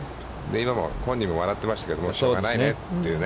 今も本人も笑ってましたけれども、しょうがないねというね。